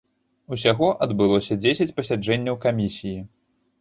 Усяго адбылося дзесяць пасяджэнняў камісіі.